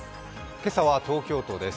今朝は東京都です。